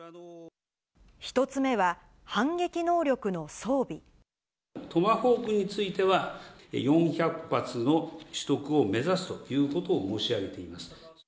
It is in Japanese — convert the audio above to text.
１つ目は、トマホークについては、４００発の取得を目指すということを申し上げています。